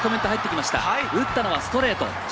打ったのはストレート。